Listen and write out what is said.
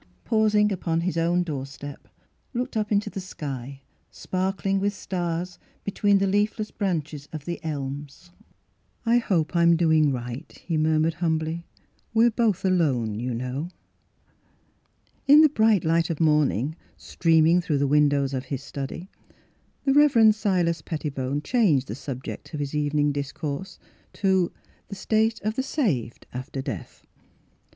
pausing upon his own door step, looked up into the sky, sparkling with stars between the leafless branches of the elms. " I hope I'm doing right," he mur mured humbly. " We're both alone, you know." In the bright light of morning, stream ing through the windows of his study, the Rev. Silas Pettibone changed the subject of his evening discourse to " The State of the Saved after Death."